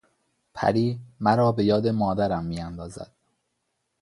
پری مرا به یاد مادرم میاندازد.